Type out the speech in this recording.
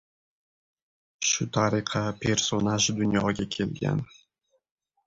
Shu tariqa personaj dunyoga kelgan.